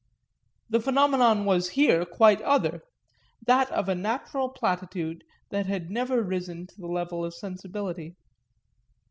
The phenomenon was here quite other that of a natural platitude that had never risen to the level of sensibility.